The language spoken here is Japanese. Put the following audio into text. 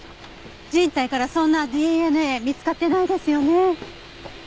人体からそんなＤＮＡ見つかってないですよね。